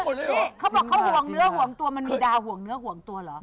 นี่เขาบอกเขาห่วงเนื้อห่วงตัวมันมีดาวห่วงเนื้อห่วงตัวเหรอ